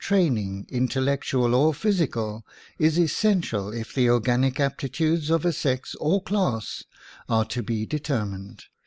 WOMAN AND WAR training, intellectual or physical, is es sential if the organic aptitudes of a sex or class are to be determined.